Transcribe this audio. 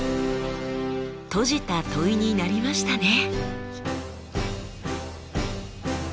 閉じた問いになりましたね。